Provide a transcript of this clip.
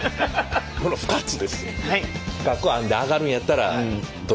この２つです。